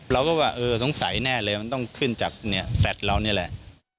เราก็ว่าเออสงสัยแน่เลยมันต้องขึ้นจากแฟลตเรานี่แหละ